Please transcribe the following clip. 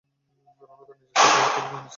রানু তার নিজের চিঠিপত্রের কথা আনিসকে কখনো বলে না।